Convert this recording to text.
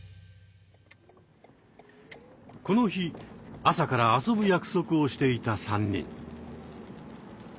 この日朝から遊ぶ約束をしていた３人。